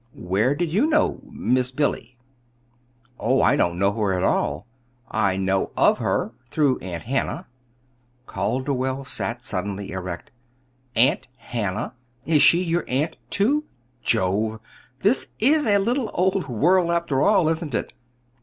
"Where did you know Miss Billy?" "Oh, I don't know her at all. I know of her through Aunt Hannah." Calderwell sat suddenly erect. "Aunt Hannah! Is she your aunt, too? Jove! This is a little old world, after all; isn't it?"